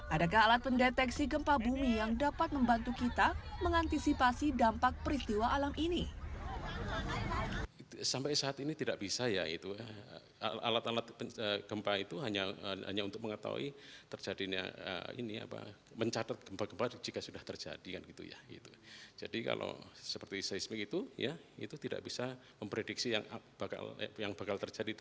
adakah alat pendeteksi gempa bumi yang dapat membantu kita mengantisipasi dampak peristiwa alam ini